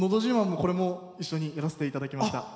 これもやらせていただきました。